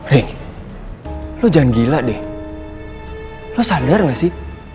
reh lo jangan gila deh lo sadar gak sih